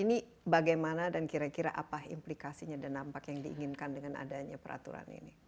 ini bagaimana dan kira kira apa implikasinya dan nampak yang diinginkan dengan adanya peraturan ini